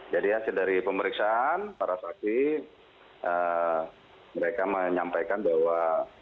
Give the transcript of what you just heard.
jadi hasil dari pemeriksaan para saksi mereka menyampaikan bahwa